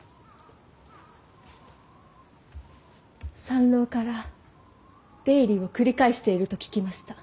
参籠から出入りを繰り返していると聞きました。